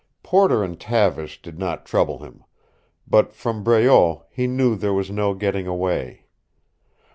Porter and Tavish did not trouble him. But from Breault he knew there was no getting away.